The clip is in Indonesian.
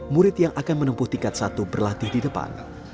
murid yang akan menempuh tingkat satu berlatih di depan